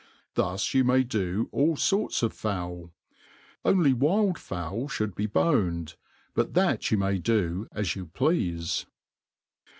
Thus you may do all forts of fowl ; only wild fowl (honld be boned^ biit that you may do as you pleafe.